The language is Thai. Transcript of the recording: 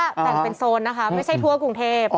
แต่งเป็นโซนนะคะไม่ใช่ทั่วกรุงเทพ